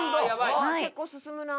結構進むな。